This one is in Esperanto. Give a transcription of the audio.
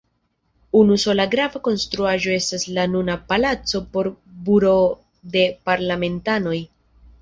Unusola grava konstruaĵo estas la nuna palaco por buroo de parlamentanoj.